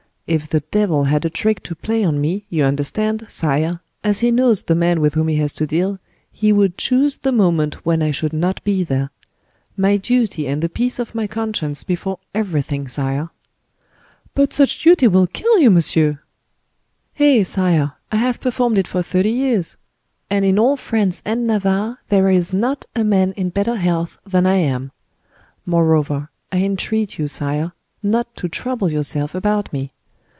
If the devil had a trick to play on me, you understand, sire, as he knows the man with whom he has to deal, he would chose the moment when I should not be there. My duty and the peace of my conscience before everything, sire." "But such duty will kill you, monsieur." "Eh! sire, I have performed it for thirty years, and in all France and Navarre there is not a man in better health than I am. Moreover, I entreat you, sire, not to trouble yourself about me.